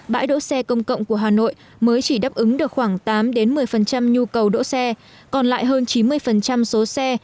bãi đỗ xe công cộng của hà nội mới chỉ đáp ứng được khoảng tám một mươi nhu cầu đỗ xe còn lại hơn chín mươi số xe